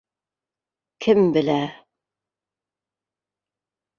Кем белә!